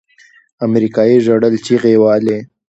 امريکايي ژړل چيغې يې وهلې.